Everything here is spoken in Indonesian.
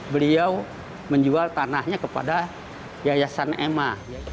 beliau menjual tanahnya kepada yayasan emma